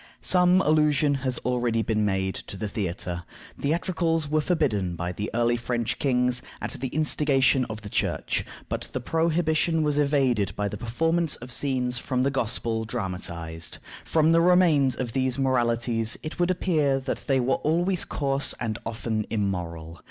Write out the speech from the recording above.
Some allusion has already been made to the theatre. Theatricals were forbidden by the early French kings, at the instigation of the Church, but the prohibition was evaded by the performance of scenes from the Gospel dramatized. From the remains of these Moralities it would appear that they were always coarse and often immoral.